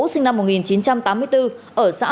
sinh năm một nghìn chín trăm tám mươi bốn ở xã